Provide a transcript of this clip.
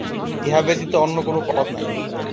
ইহা ব্যতীত অন্য কোন পথ নাই।